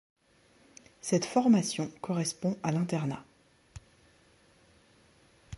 Cette formation correspond à l'internat.